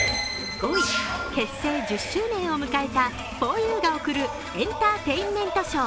５位、結成１０周年を迎えたふぉゆが送るエンターテインメントショー